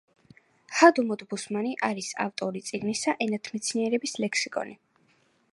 ჰადუმოდ ბუსმანი არის ავტორი წიგნისა ენათმეცნიერების ლექსიკონი.